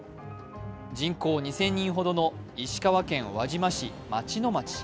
人口２０００人ほどの石川県輪島市町野町。